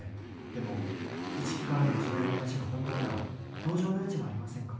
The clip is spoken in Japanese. でも一木からのいじめの話が本当なら同情の余地はありませんか？